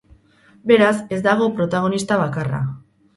Beraz, ez dago protagonista bakarra.